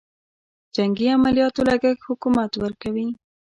جنګي عملیاتو لګښت حکومت ورکوي.